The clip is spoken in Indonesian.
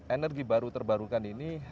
energi baru terbarukan ini